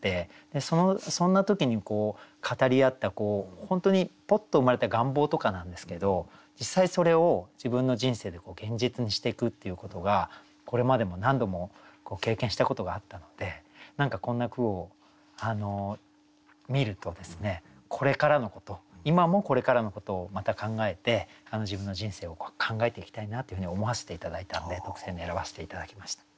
そんな時に語り合った本当にぽっと生まれた願望とかなんですけど実際それを自分の人生で現実にしていくっていうことがこれまでも何度も経験したことがあったので何かこんな句を見るとこれからのこと今もこれからのことをまた考えて自分の人生を考えていきたいなというふうに思わせて頂いたんで特選に選ばせて頂きました。